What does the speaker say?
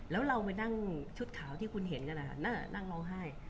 แล้วเรามานั่งชุดขาวที่คุณเห็นกันนะคะนั่งร้องไห้